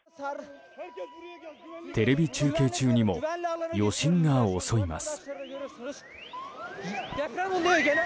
テレビ中継中にも余震が襲います。